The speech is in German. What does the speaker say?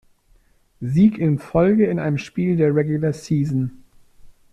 Sieg in Folge in einem Spiel der Regular Season.